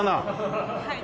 はい。